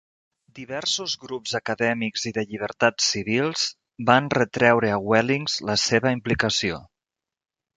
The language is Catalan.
Diversos grups acadèmics i de llibertats civils van retreure a Wellings la seva implicació.